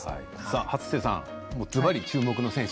初瀬さんずばり注目の選手